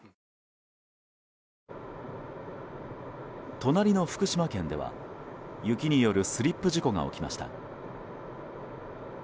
隣の福島県では、雪によるスリップ事故が起きました。